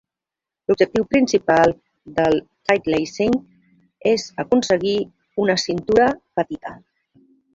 L'objectiu principal del tightlacing és aconseguir una cintura petita.